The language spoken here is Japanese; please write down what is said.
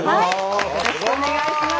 よろしくお願いします。